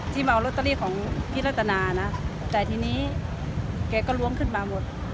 เมาลอตเตอรี่ของพี่รัตนานะแต่ทีนี้แกก็ล้วงขึ้นมาหมด